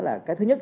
là cái thứ nhất